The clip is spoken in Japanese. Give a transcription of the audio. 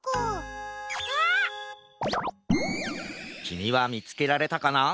きみはみつけられたかな？